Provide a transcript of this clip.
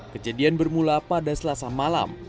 kejadian bermula pada selasa malam